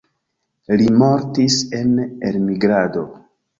Li mortis en elmigrado.